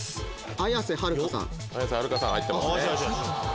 綾瀬はるかさん。